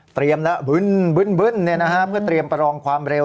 เตรียมแล้วบึ้นบึ้นบึ้นเนี่ยนะฮะเพื่อเตรียมประลองความเร็ว